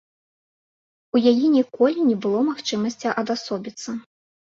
У яе ніколі не было магчымасці адасобіцца.